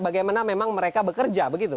bagaimana memang mereka bekerja